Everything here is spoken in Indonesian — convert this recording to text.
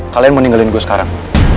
kalian mau ninggalin gue sekarang